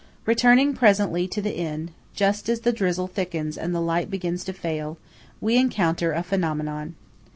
Returning presently to the inn, just as the drizzle thickens and the light begins to fail, we encounter a Phenomenon.